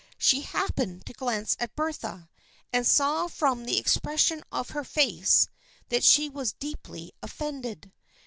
She happened to glance at Bertha, and saw from the expression of her face that she was deeply offended.